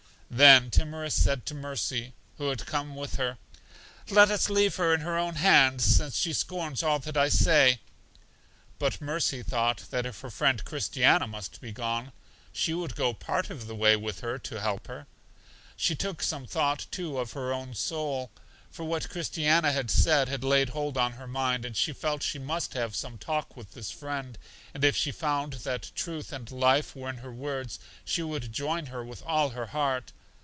Then Timorous said to Mercy (who had come with her): Let us leave her in her own hands, since she scorns all that I say. But Mercy thought that if her friend Christiana must be gone, she would go part of the way with her to help her. She took some thought, too, of her own soul, for what Christiana had said had laid hold on her mind, and she felt she must have some talk with this friend; and if she found that truth and life were in her words, she would join her with all her heart.